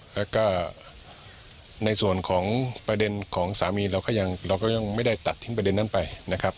แล้วก็ในส่วนของประเด็นของสามีเราก็ยังเราก็ยังไม่ได้ตัดทิ้งประเด็นนั้นไปนะครับ